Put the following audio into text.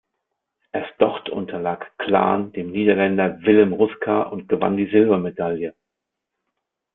Erst dort unterlag Glahn dem Niederländer Willem Ruska und gewann die Silbermedaille.